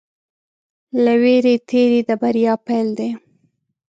له وېرې تېری د بریا پيل دی.